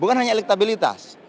bukan hanya elektabilitas